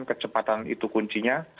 kecepatan itu kuncinya